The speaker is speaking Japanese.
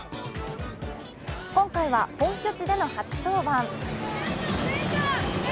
今回は本拠地での初登板。